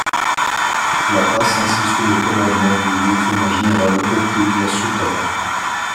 La passe ainsi sous le commandement du lieutenant-général Oku Yasukata.